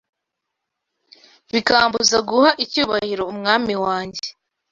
bikambuza guha icyubahiro Umwami wanjye?